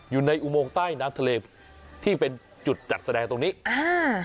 อยู่ในอุโมงใต้น้ำทะเลที่เป็นจุดจัดแสดงตรงนี้อ่า